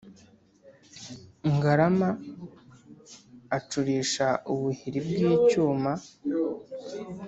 Ngarama acurisha ubuhiri bw'icyuma,